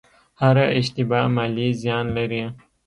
هره اشتباه مالي زیان لري.